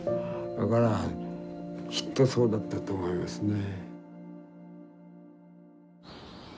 だからきっとそうだったと思いますね。